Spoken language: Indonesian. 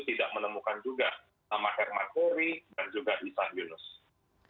tidak menemukan juga nama herman pori dan juga isan yunus